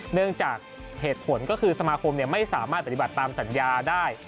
เนื่องจากเหตุผลก็คือสมาคมไม่สามารถปฏิบัติตามสัญญาได้